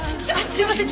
すいません。